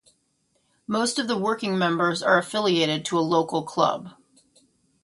Most of the working members are affiliated to a local club.